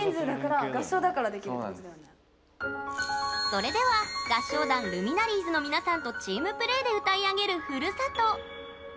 それでは、合唱団“Ｌｕｍｉｎａｒｉｅｓ”の皆さんとチームプレーで歌い上げる「ふるさと」。